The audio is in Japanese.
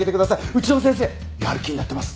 うちの先生やる気になってます。